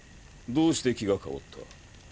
どうして気が変わった？